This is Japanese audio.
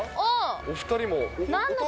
お２人も。